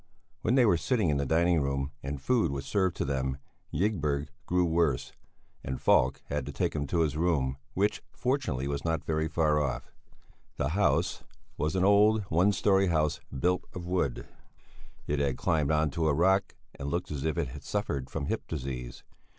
When they were sitting in the dining room and food was served to them, Ygberg grew worse, and Falk had to take him to his room, which fortunately was not very far off. The house was an old, one story house built of wood; it had climbed on to a rock and looked as if it suffered from hip disease.